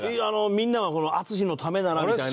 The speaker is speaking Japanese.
みんなが淳のためならみたいな。